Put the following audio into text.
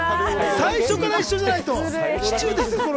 最初から一緒じゃないと。